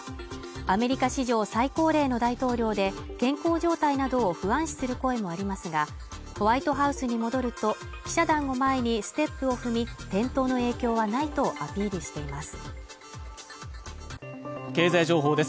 アメリカ史上最高齢の大統領で健康状態などを不安視する声もありますが、ホワイトハウスに戻ると記者団を前にステップを踏み、転倒の影響はないとアピールしています。